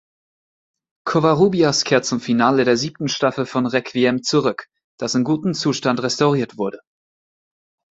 Covarrubias kehrt zum Finale der siebten Staffel von "Requiem" zurück, das in gutem Zustand restauriert wurde.